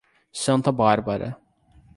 Santa Bárbara